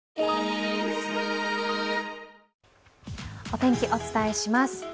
お天気、お伝えします。